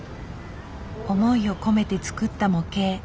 思いを込めて作った模型。